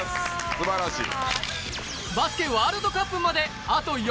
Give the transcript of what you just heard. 素晴らしい。